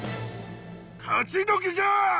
勝ちどきじゃ！